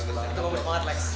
kita bawa bersemangat lex